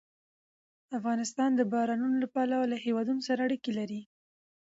افغانستان د بارانونو له پلوه له هېوادونو سره اړیکې لري.